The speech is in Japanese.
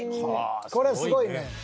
これすごいね。